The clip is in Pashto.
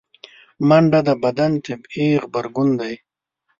منډه د بدن طبیعي غبرګون دی